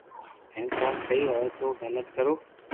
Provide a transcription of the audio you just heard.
ھين ڪوم سھي ھوئي تو محنت ڪرو